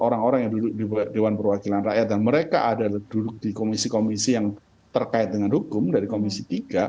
orang orang yang duduk di dewan perwakilan rakyat dan mereka ada duduk di komisi komisi yang terkait dengan hukum dari komisi tiga